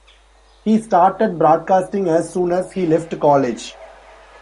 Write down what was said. He started broadcasting as soon as he left college.